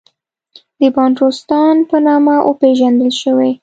د بانټوستان په نامه وپېژندل شوې.